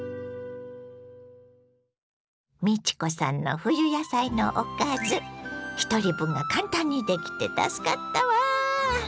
美智子さんの冬野菜のおかずひとり分が簡単にできて助かったわ。